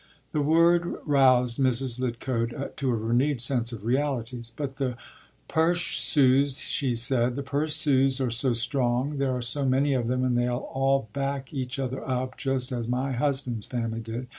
” The word roused Mrs. Lidcote to a renewed sense of realities. “But the Purshes,” she said “the Purshes are so strong! There are so many of them, and they all back each other up, just as my husband’s family did.